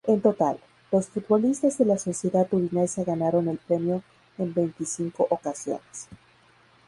En total, los futbolistas de la sociedad turinesa ganaron el premio en veinticinco ocasiones.